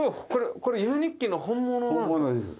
これ夢日記の本物なんですか？